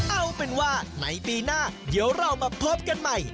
เอาเป็นว่าในปีหน้าเดี๋ยวเรามาพบกันใหม่